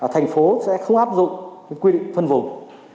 thành phố sẽ không áp dụng quy định phân vùng